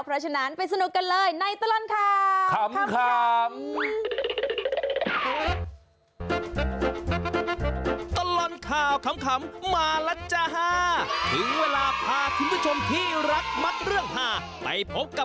เพราะฉะนั้นไปสนุกกันเลยในตลอดข่าวขำ